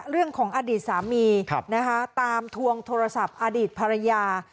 เรื่องของอดีตสามีตามทวงโทรศัพท์อดีตภรรยา